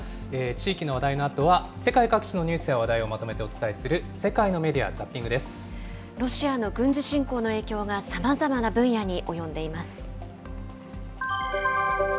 地域の話題のあとは、世界各地のニュースや話題をまとめてお伝えする、世界のメディア・ザッピンロシアの軍事侵攻の影響がさまざまな分野に及んでいます。